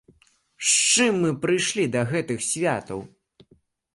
З чым мы прыйшлі да гэтых святаў?